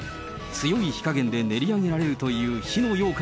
強い火加減で練り上げられるという火のようかん